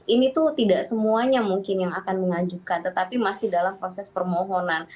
ini tuh tidak semuanya mungkin yang akan mengajukan tetapi masih dalam proses permohonan